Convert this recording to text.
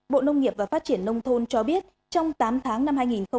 bộ nông nghiệp và phát triển nông thôn cho biết trong tám tháng năm hai nghìn hai mươi